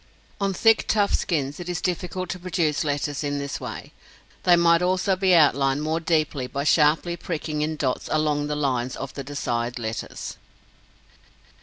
On thick, tough skins it is difficult to produce letters in this way. They might also be outlined more deeply by sharply pricking in dots along the lines of the desired letters.